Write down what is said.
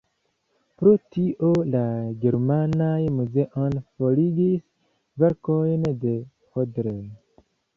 Pro tio la germanaj muzeoj forigis verkojn de Hodler.